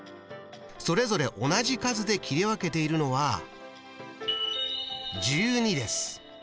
それぞれ同じ数で切り分けているのは１２です。